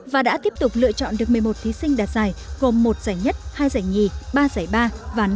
và đã tiếp tục lựa chọn được một mươi một thí sinh đạt giải gồm một giải nhất hai giải nhì ba giải ba và năm giải triển vọng